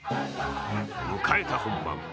迎えた本番。